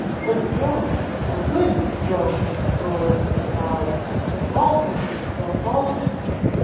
"A stroke!—a good stroke!" roared the crowd. "The Falcon!—the Falcon!"